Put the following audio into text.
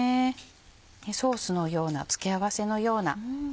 ソースのような付け合わせのような。